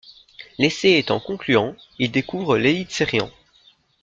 L'essai étant concluant, il découvre l'Elitserien.